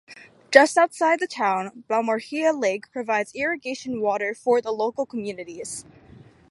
Just outside the town, Balmorhea Lake provides irrigation water for the local communities.